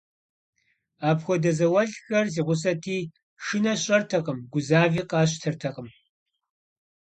Апхуэдэ зауэлӀхэр си гъусэти, шынэ сщӀэртэкъым, гузави къасщтэртэкъым.